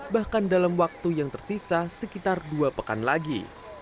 bahkan dalam waktu yang tersisa sekitar dua pekan lagi